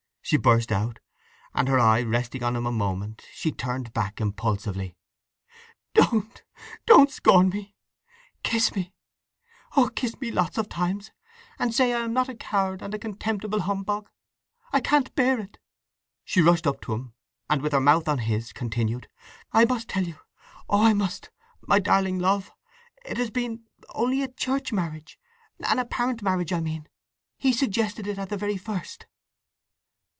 she burst out, and her eye resting on him a moment, she turned back impulsively. "Don't, don't scorn me! Kiss me, oh kiss me lots of times, and say I am not a coward and a contemptible humbug—I can't bear it!" She rushed up to him and, with her mouth on his, continued: "I must tell you—oh I must—my darling Love! It has been—only a church marriage—an apparent marriage I mean! He suggested it at the very first!"